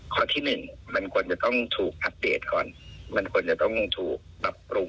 คอที่หนึ่งก็ควรจะต้องบรับปรุงให้มันทันยุคนั้นก่อน